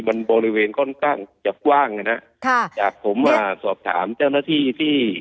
มันบริเวณค่อนข้างจะกว้างนะฮะค่ะจากผมมาสอบถามเจ้าหน้าที่ที่